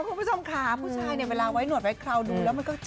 พวกมันชอบค่ะผู้ชายเนี่ยเวลาไว้หนวดดู